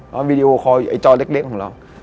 แล้ววีดีโอคอลไอ้จอเล็กของเรา